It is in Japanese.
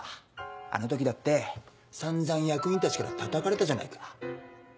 あの時だって散々役員たちからたたかれたじゃないか。